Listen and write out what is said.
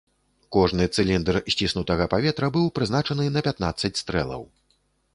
Кожны цыліндр сціснутага паветра быў прызначаны на пятнаццаць стрэлаў.